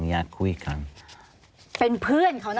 ปีอาทิตย์ห้ามีสปีอาทิตย์ห้ามีส